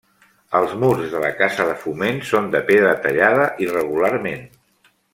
Els murs de la casa de Foment són de pedra tallada irregularment.